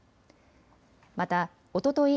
またおととい